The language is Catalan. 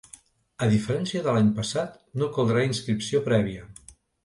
A diferència de l’any passat, no caldrà inscripció prèvia.